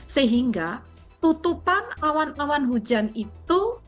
sehingga tutupan awan awan hujan itu